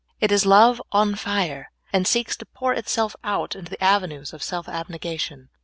It is love on fire, and seeks to pour itself out in avenues of self abnegation.